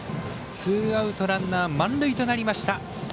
ツーアウト、ランナー満塁となりました。